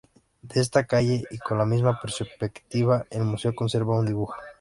De esta calle, y con la misma perspectiva, el museo conserva un dibujo.